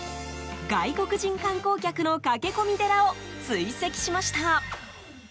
外国人観光客の駆け込み寺を追跡しました。